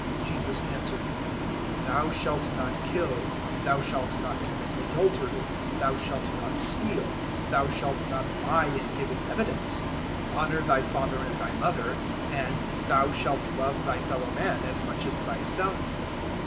Jesus answered, "`Thou shalt not kill;' `Thou shalt not commit adultery;' `Thou shalt not steal;' `Thou shalt not lie in giving evidence;' 019:019 `Honour thy father and thy mother'; and `Thou shalt love thy fellow man as much as thyself.'"